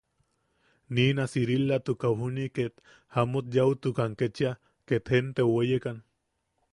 Niina Siriilatukaʼu juni ket jamut yaʼutukan kechia, ket jenteu weyekan.